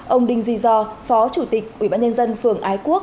ông đinh duy gio phó chủ tịch ủy ban nhân dân phường ái quốc